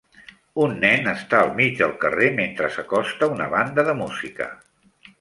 Un nen està al mig del carrer mentre s'acosta una banda de música.